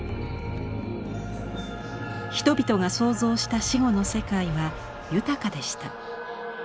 人々が想像した死後の世界は豊かでした。